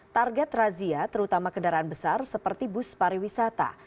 target razia terutama kendaraan besar seperti bus pariwisata